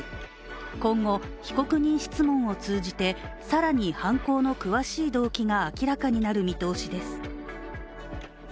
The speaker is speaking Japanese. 今後、被告人質問を通じて更に犯行の詳しい動機が明らかになる見通しです。